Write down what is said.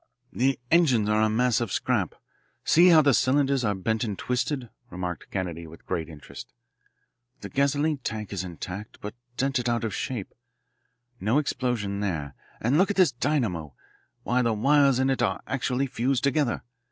"The engines are a mass of scrap; see how the cylinders are bent and twisted," remarked Kennedy with great interest. "The gasoline tank is intact, but dented out of shape. No explosion there. And look at this dynamo. Why, the wires in it are actually fused together.